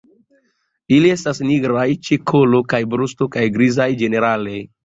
Ili estas nigraj ĉe kolo kaj brusto kaj grizaj ĝenerale.